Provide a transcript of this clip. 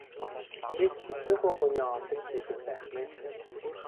Чи ч хэцүүхэн хүний орлогч хийдэг байх нь ээ?